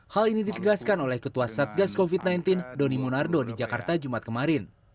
hal ini ditegaskan oleh ketua satgas covid sembilan belas doni monardo di jakarta jumat kemarin